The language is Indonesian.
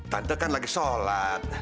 tante kan sedang berdoa